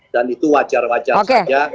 dan itu wajar wajar saja